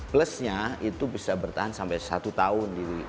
plusnya itu bisa bertahan sampaimb empat tahun